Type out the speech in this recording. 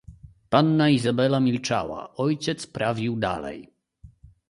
"Panna Izabela milczała, ojciec prawił dalej."